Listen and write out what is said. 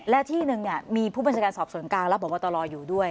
และที่หนึ่งเนี่ยมีผู้บัญชาการสอบส่วนการแล้วบอกว่าตอนรออยู่ด้วย